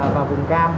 và vùng cam